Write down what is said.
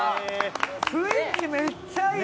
雰囲気めっちゃいい！